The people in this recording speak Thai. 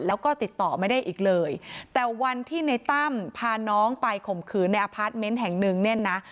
แล้วก็ติดต่อไม่ได้อีกเลยแต่วันที่ในตั้มพาน้องไปข่มขืนในอพาร์ทเมนต์แห่งหนึ่งเนี่ยนะ